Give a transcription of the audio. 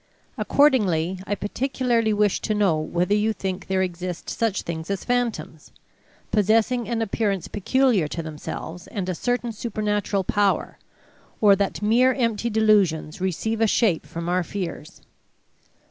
Accordingly, I particularly wish to know whether you think there exist such things as phantoms, possessing an appearance peculiar to themselves, and a certain supernatural power, or that mere empty delusions receive a shape from our fears.